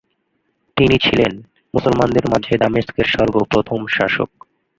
তাই তিনি ছিলেন মুসলমানদের মাঝে দামেস্কের সর্ব প্রথম শাসক।